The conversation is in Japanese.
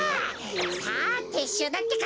さあてっしゅうだってか！